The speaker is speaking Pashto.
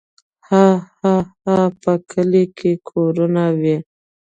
هاهاها په کلي کې کورونه وي.